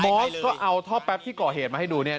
หมอเค้าเอาท่อแป๊บที่ก่อเหตุให้ดู